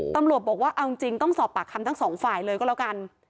ตำรวจบอกว่าเอาจริงต้องสอบปากคำทั้งสองฝ่ายเลยก็แล้วกัน